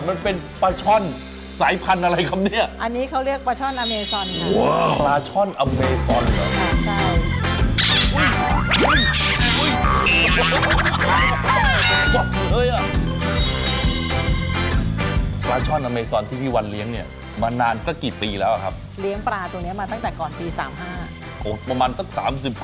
มันเป็นปลาช่อนสายพันธุ์อะไรครับเนี่ยอันนี้เขาเรียกปลาช่อนอเมซอนค่ะ